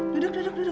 duduk duduk duduk